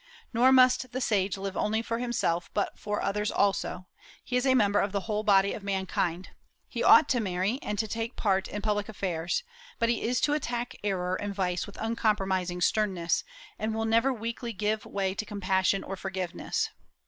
Nor must the sage live only for himself, but for others also; he is a member of the whole body of mankind. He ought to marry, and to take part in public affairs; but he is to attack error and vice with uncompromising sternness, and will never weakly give way to compassion or forgiveness.